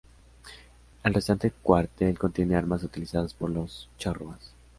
El restante cuartel contiene armas utilizadas por los charrúas.